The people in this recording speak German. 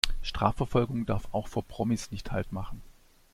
Strafverfolgung darf auch vor Promis nicht Halt machen.